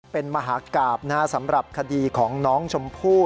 เป็นมหากราบสำหรับคดีของน้องชมพู่